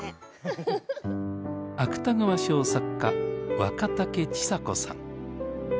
芥川賞作家、若竹千佐子さん。